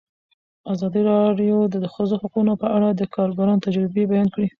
ازادي راډیو د د ښځو حقونه په اړه د کارګرانو تجربې بیان کړي.